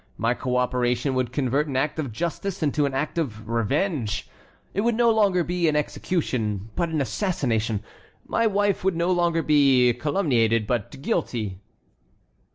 My co operation would convert an act of justice into an act of revenge. It would no longer be an execution, but an assassination. My wife would no longer be calumniated, but guilty."